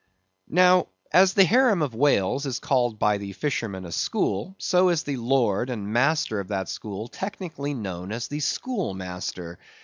Now, as the harem of whales is called by the fishermen a school, so is the lord and master of that school technically known as the schoolmaster.